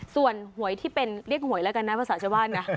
ส่วนหวยที่เป็นเรียกหวยแล้วกันนะภาษาชาวบ้านนะ